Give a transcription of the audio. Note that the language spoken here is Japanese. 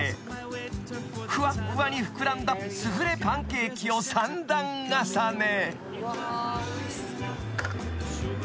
［ふわふわに膨らんだスフレパンケーキを３段重ね］